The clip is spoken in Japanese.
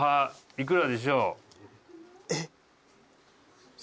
幾らでしょう？